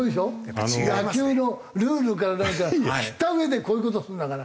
野球のルールから何から知ったうえでこういう事するんだから。